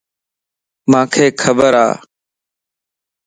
مانک خبر ا.